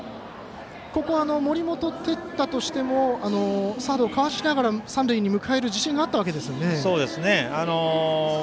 ここは、森本哲太としてもサードを交わしながら三塁に向かえる自信があったわけですよね。